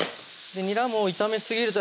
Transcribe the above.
にらも炒めすぎると